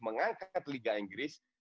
mengangkat liga inggris